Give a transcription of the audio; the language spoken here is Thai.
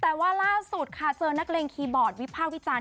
แต่ว่าล่าสุดค่ะเจอนักเลงคีย์บอร์ดวิภาควิจารณ